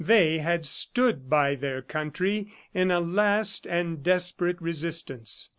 They had stood by their country in a last and desperate resistance.